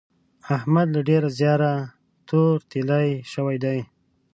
احمد له ډېره زیاره تور تېيلی شوی دی.